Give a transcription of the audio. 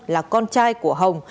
là con trai của hồng